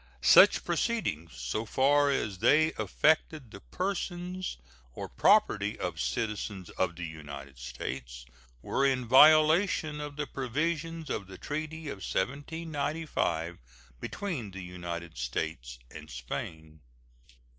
Such proceedings, so far as they affected the persons or property of citizens of the United States, were in violation of the provisions of the treaty of 1795 between the United States and Spain.